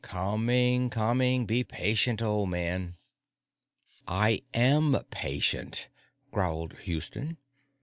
"Coming, coming. Be patient, old man." "I am patient," growled Houston.